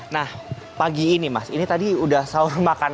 nah pagi ini mas ini tadi udah sahur makan